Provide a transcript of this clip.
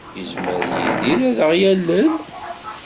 Yezmer Yidir ad aɣ-yalel?